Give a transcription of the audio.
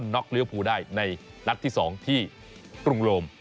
น็อคเรียกผู้ได้ในนัดที่๒ที่กรุงโรม